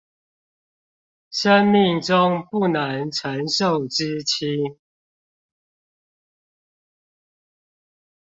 生命中不能承受之輕